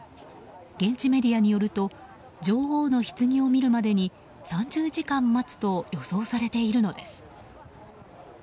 現地メディアによると女王のひつぎを見るまでに３０時間待つと予想されているのです。